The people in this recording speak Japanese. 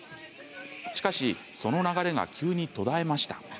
しかし、その流れが急に途絶えました。